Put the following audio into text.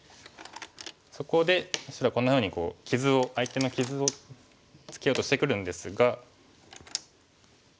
そこで白こんなふうに傷を相手の傷をつけようとしてくるんですが。